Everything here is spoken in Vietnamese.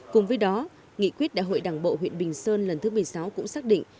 cùng với đó nghị quyết đại hội đảng bộ huyện bình sơn lần thứ một mươi sáu cũng xác định